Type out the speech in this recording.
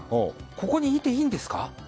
ここにいていいんですか。